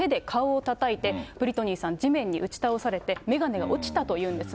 するとボディーガードが手で顔をたたいて、ブリトニーさん、地面に打ち倒されて、眼鏡が落ちたというんですね。